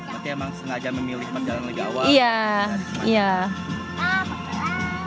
berarti emang sengaja memilih perjalanan lebih awal